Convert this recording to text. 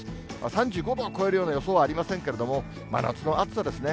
３５度を超えるような予想はありませんけれども、真夏の暑さですね。